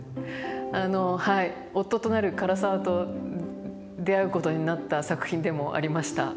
あのはい夫となる唐沢と出会うことになった作品でもありました。